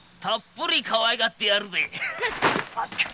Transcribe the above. たっぷりかわいがってやるぜ！